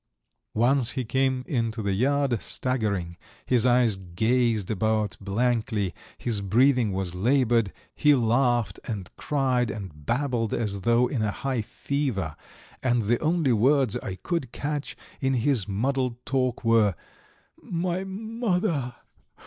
Once he came into the yard, staggering; his eyes gazed about blankly, his breathing was laboured; he laughed and cried and babbled as though in a high fever, and the only words I could catch in his muddled talk were, "My mother!